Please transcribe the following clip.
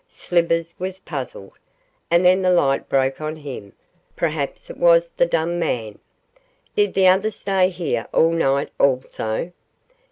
Slivers was puzzled, and then the light broke on him perhaps it was the dumb man. 'Did the other stay here all night also?